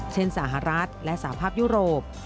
สหรัฐและสาภาพยุโรป